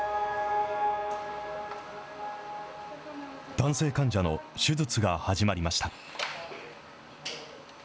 男性患者の手術が始まりました。